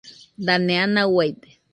Dane ana uaide